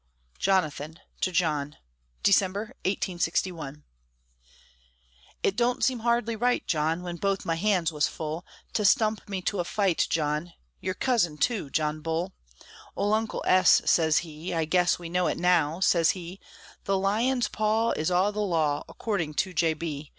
JONATHAN TO JOHN [December, 1861] It don't seem hardly right, John, When both my hands was full, To stump me to a fight, John, Your cousin, tu, John Bull! Ole Uncle S. sez he, "I guess We know it now," sez he, "The Lion's paw is all the law, Accordin' to J. B.